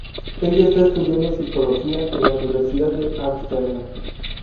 Ella está estudiando Psicología en la Universidad de Amsterdam.